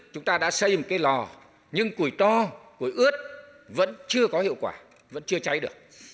chúng ta đã xây một cái lò nhưng củi toi ướt vẫn chưa có hiệu quả vẫn chưa cháy được